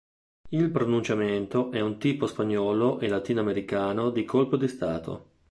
Il "pronunciamento" è un tipo spagnolo e latino-americano di colpo di Stato.